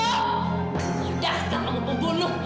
sudah kamu pembunuh